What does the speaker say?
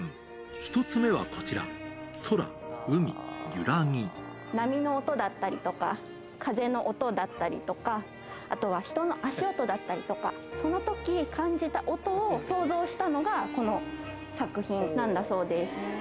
１つ目はこちら、波の音だったりとか、風の音だったりとか、あとは人の足音だったりとか、そのとき感じた音を想像したのが、この作品なんだそうです。